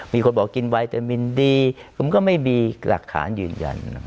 มีคนบอกกินไวตามินดีผมก็ไม่มีหลักฐานยืนยัน